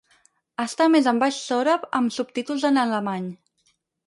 Està emès en baix sòrab amb subtítols en alemany.